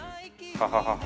ハハハハ。